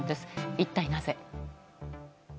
一体なぜ？